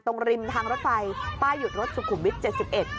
ตรงริมทางรถไฟป้ายหยุดรถสุขุมวิทย์๗๑